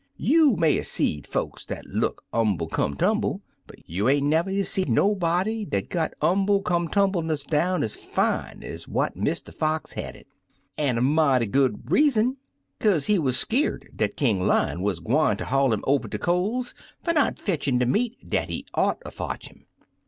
You may 'a' seed folks dat look umble come timible, but you ain't never is see nobody dat got umble come tumbleness down ez fine ez what Mr. Fox had it. An' a mighty good reason, kaze he wuz skeered dat King Lion wuz gwine ter haul 'im over de coals fer not fetchin' de meat dat he ought er fotch 'im.